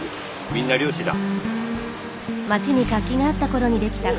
みんな漁師だ。